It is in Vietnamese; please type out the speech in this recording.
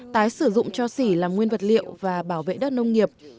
tái sử dụng cho xỉ làm nguyên vật liệu và bảo vệ đất nông nghiệp